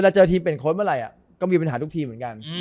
แต่โค้ชเมื่อไหร่ก็มีปัญหาทุกทีมเหมือนกัน